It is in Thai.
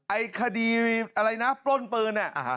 ไอ้คดีอะไรนะปล้นปืนเนี่ย